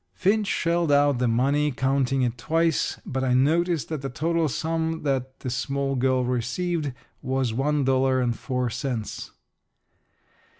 Finch shelled out the money, counting it twice, but I noticed that the total sum that the small girl received was one dollar and four cents.